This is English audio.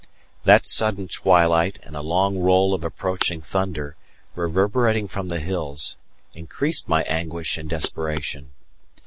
That sudden twilight and a long roll of approaching thunder, reverberating from the hills, increased my anguish and desperation.